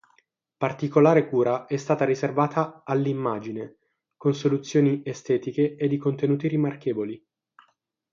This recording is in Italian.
Particolare cura è stata riservata all"'immagine", con soluzioni estetiche e di contenuti rimarchevoli.